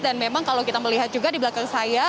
dan memang kalau kita melihat juga di belakang saya